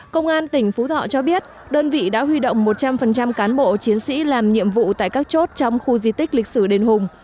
công an tỉnh phú thọ cho biết đơn vị đã huy động một trăm linh cán bộ chiến sĩ làm nhiệm vụ tại các chốt trong khu di tích lịch sử đền hùng